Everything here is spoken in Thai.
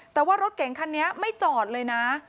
แต่ว่ารถเก่งคันนี้ไม่จอดเลยนะ